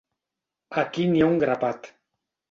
Aquí n'hi ha un grapat.